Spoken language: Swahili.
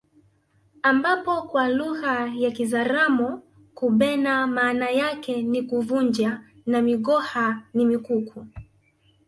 Ambapo kwa lugha ya kizaramo kubena maana yake ni kuvunja na migoha ni mikuku